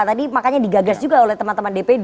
tadi makanya digagas juga oleh teman teman dpd